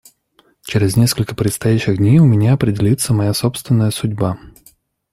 Через несколько предстоящих дней у меня определится моя собственная судьба.